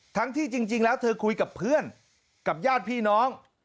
ที่จริงแล้วเธอคุยกับเพื่อนกับญาติพี่น้อง